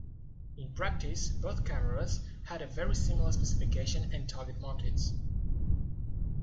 In practice both cameras had a very similar specification and target market.